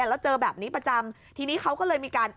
แล้วเจอแบบนี้ประจำทีนี้เขาก็เลยมีการ